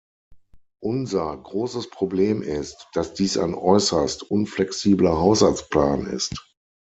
Unser großes Problem ist, dass dies ein äußerst unflexibler Haushaltsplan ist.